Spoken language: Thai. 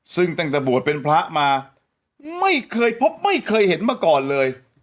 ซึ่งตั้งแต่บวชเป็นพระมาไม่เคยพบไม่เคยเห็นมาก่อนเลย